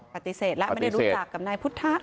ปฏิเสธแล้วไม่ได้รู้จักกับนายพุทธะ